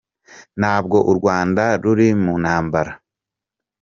Ntabwo u Rwanda ruri mu ntambara